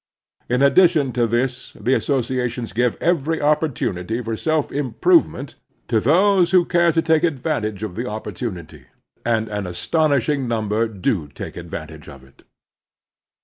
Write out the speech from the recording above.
In addition to this the associations give every opporttmity for self improvement to those who care to take advantage of the opporttmity, and an astonishing number do take advantage of it.